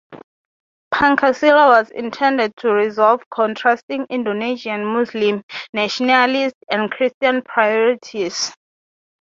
Pancasila was intended to resolve contrasting Indonesian Muslim, nationalist, and Christian priorities.